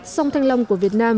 sông thanh long của việt nam